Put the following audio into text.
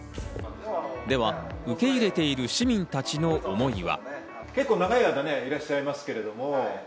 では受け入れている市民たちの思いは。